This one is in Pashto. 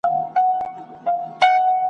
لا سبا توپاني کيږي ,